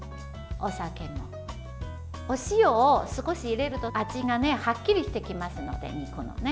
お塩を少し入れると味がはっきりしてきますので肉のね。